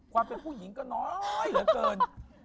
ความเป็นผู้หญิงก็น้อยเหลือเกิน